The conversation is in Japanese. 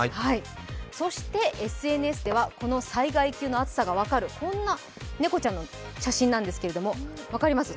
そしてＳＮＳではこの災害級の暑さが分かるこんな猫ちゃんの写真なんですけれども、分かります？